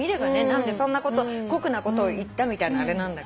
何でそんなこと酷なことを言ったみたいなあれなんだけど。